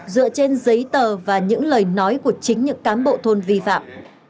dựa trên giấy tờ và những lời nói của chính những cán bộ thôn vi phạm